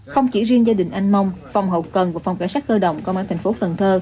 không chỉ riêng gia đình anh mong phòng hậu cần và phòng cả sát cơ động công an tp cn